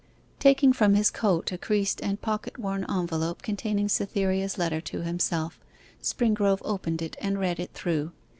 Taking from his coat a creased and pocket worn envelope containing Cytherea's letter to himself, Springrove opened it and read it through.